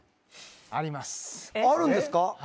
あるんですか。